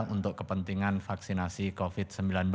untuk kepentingan vaksinasi covid sembilan belas